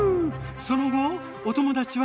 その後お友達は？